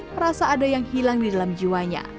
merasa ada yang hilang di dalam jiwanya